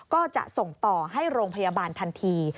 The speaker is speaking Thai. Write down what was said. ก็จะส่งต่อให้โรงพยาบาลทันที